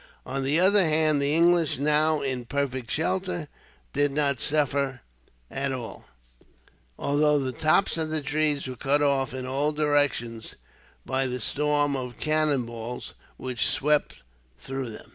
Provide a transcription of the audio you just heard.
On the other hand the English, now in perfect shelter, did not suffer at all, although the tops of the trees were cut off, in all directions, by the storm of cannon balls which swept through them.